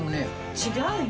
違うよ